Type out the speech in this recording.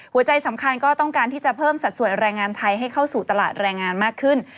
หัวใจสำคัญก็ต้องการที่จะเพิ่มสัดส่วนแรงงานไทยให้เข้าสู่ตลาดแรงงานมากขึ้น